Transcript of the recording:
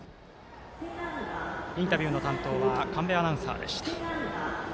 インタビューの担当は神戸アナウンサーでした。